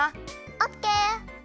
オッケー。